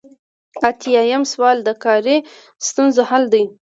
ایاتیام سوال د کاري ستونزو حل دی.